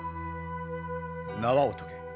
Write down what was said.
縄を解け。